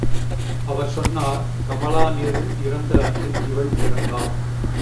அவர் சொன்னார், கமலாநேரு இறந்த அன்று இவள் பிறந்தாள்.